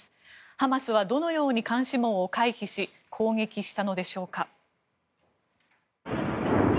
ハマスはどのように監視網を回避し攻撃したのでしょうか。